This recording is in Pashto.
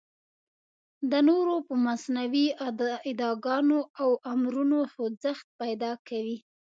د نورو په مصنوعي اداګانو او امرونو خوځښت پیدا کوي.